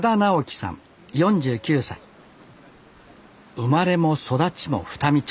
生まれも育ちも双海町。